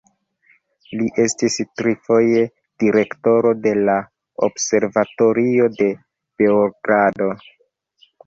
Li estis tri foje direktoro de la Observatorio de Beogrado.